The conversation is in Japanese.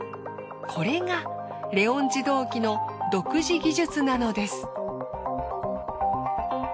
これがレオン自動機の独自技術なのです。